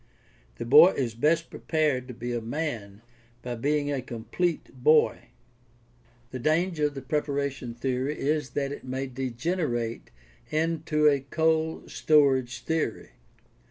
The boy is best prepared to be a man by being a complete boy. The danger of the preparation theory is that it may degenerate into a cold storage theory.